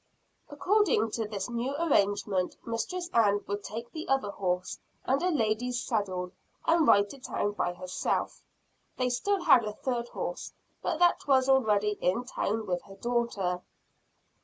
According to this new arrangement, Mistress Ann would take the other horse, and a lady's saddle, and ride to town by herself. They had still a third horse, but that was already in town with her daughter.